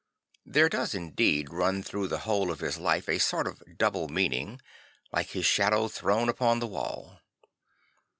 There does indeed run through the whole of his life a sort of double meaning, like his shadow thrown upon the wall.